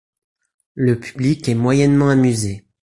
Le public est moyennement amusé.